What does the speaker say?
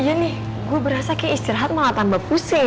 iya nih gue berasa kayak istirahat malah tambah pusing